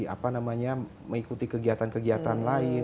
apa namanya mengikuti kegiatan kegiatan lain